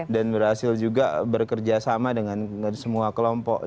dan berhasil juga bekerja sama dengan semua kelompok